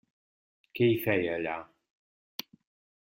Què hi feia, allà?